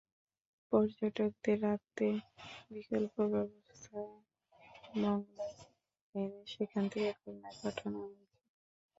পর্যটকদের রাতে বিকল্প ব্যবস্থায় মোংলায় এনে সেখান থেকে খুলনায় পাঠানো হয়েছে।